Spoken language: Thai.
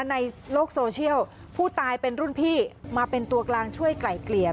ในโลกโซเชียลผู้ตายเป็นรุ่นพี่มาเป็นตัวกลางช่วยไกล่เกลี่ย